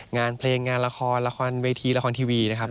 งานเพลงงานละครละครเวทีละครทีวีนะครับ